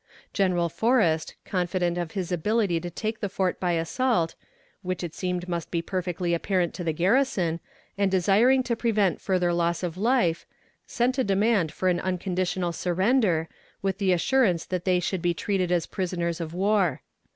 General Forrest, confident of his ability to take the fort by assault, which it seemed must be perfectly apparent to the garrison, and desiring to prevent further loss of life, sent a demand for an unconditional surrender, with the assurance that they should be treated as prisoners of war.